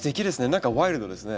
何かワイルドですね。